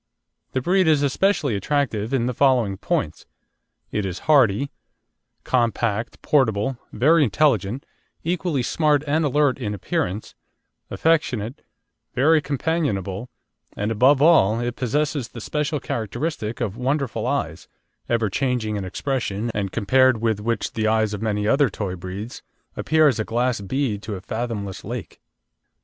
The breed is especially attractive in the following points: It is hardy, compact, portable, very intelligent, equally smart and alert in appearance, affectionate, very companionable, and, above all, it possesses the special characteristic of wonderful eyes, ever changing in expression, and compared with which the eyes of many other toy breeds appear as a glass bead to a fathomless lake.